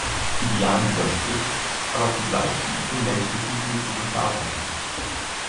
Idealen widerspricht, aber zugleich tief in menschlichen Kulturen verankert ist.